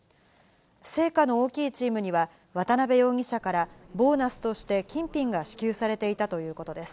成果の大きいチームには、渡辺容疑者から、ボーナスとして金品が支給されていたということです。